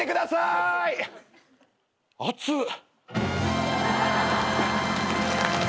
熱っ。